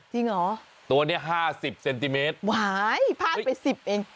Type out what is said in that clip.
จริงเหรอตัวนี้๕๐เซนติเมตรว้ายพลาดไป๑๐เอง